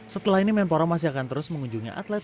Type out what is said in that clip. setelah ini menpora masih akan terus mengunjungi atlet